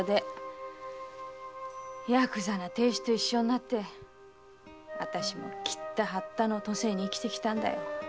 ヤクザな亭主と一緒になってあたしも斬った張ったの渡世に生きてきたんだよ。